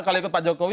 kalau ikut pak jokowi